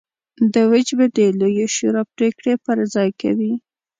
دوج به د لویې شورا پرېکړې پر ځای کوي.